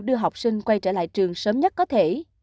đưa học sinh quay trở lại trường sớm nhất có thể